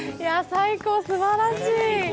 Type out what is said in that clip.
最高、すばらしい。